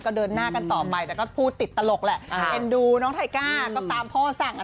ก็เดินหน้ากันต่อไปแต่ก็พูดติดตลกแหละเอ็นดูน้องไทก้าก็ตามพ่อสั่งอ่ะ